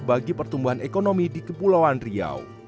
bagi pertumbuhan ekonomi di kepulauan riau